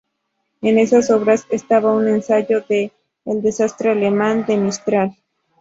En esas obra estaba un ensayo de "El desastre alemán" de Mistral.